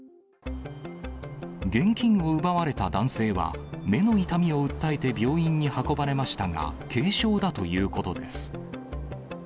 現金を奪われた男性は、目の痛みを訴えて病院に運ばれましたが、軽傷だということです。